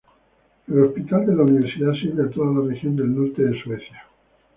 El Hospital de la Universidad sirve a toda la región del norte de Suecia.